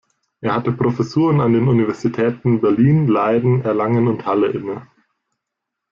Er hatte Professuren an den Universitäten Berlin, Leiden, Erlangen und Halle inne.